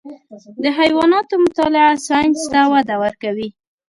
د حیواناتو مطالعه ساینس ته وده ورکوي.